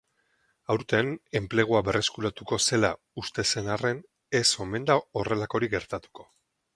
Aurten enplegua berreskuratuko zela uste zen arren, ez omen da horrelakorik gertatuko.